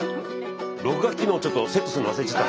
録画機能ちょっとセットするの忘れちゃった。